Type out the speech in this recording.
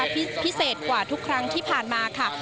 พิเศษกว่าทุกครั้งที่ผ่านมาค่ะ